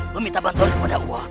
meminta bantuan pada aku